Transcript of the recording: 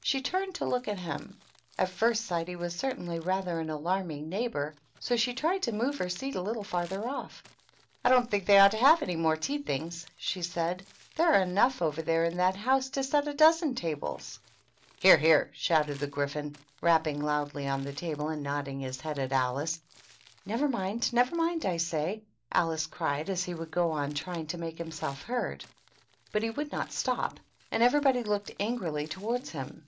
She turned to look at him; at first sight he was certainly rather an alarming neighbor, so she tried to move her seat a little farther off. "I don't think they ought to have any more tea things," she said; "there are enough over there in that house to set a dozen tables. '^" Hear ! hear I" shouted the Gryphon, rapping loudly on the table and nodding his head at Alice. "Never mind! Never mindy I say!" Alice cried, as he would go on trying to make himself heard. But he would not stop, and everybody looked angrily towards him.